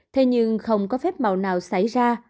thế nhưng không có phép màu nào xảy ra